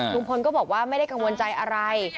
ลุงพลก็บอกว่าไม่ได้กังวลใจอะไร